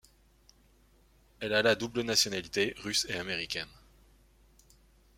Elle a la double nationalité, russe et américaine.